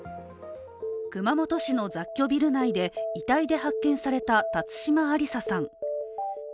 熊本市の雑居ビル内で遺体で発見された辰島ありささん。